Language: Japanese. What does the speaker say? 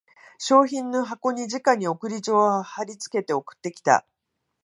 商品の箱にじかに送り状を張りつけて送ってきた